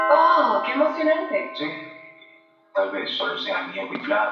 En los días posteriores, Essebsi visitó los edificios atacados y evaluó los destrozos.